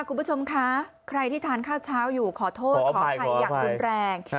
คุณผู้ชมคะใครที่ทานข้าวเช้าอยู่ขอโทษขออภัยอย่างรุนแรง